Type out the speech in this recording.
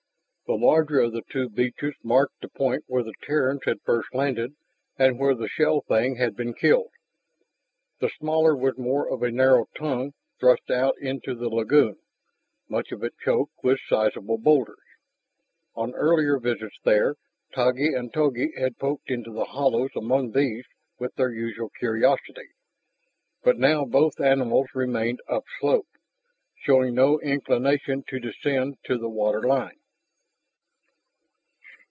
The larger of the two beaches marked the point where the Terrans had first landed and where the shell thing had been killed. The smaller was more of a narrow tongue thrust out into the lagoon, much of it choked with sizable boulders. On earlier visits there Taggi and Togi had poked into the hollows among these with their usual curiosity. But now both animals remained upslope, showing no inclination to descend to the water line.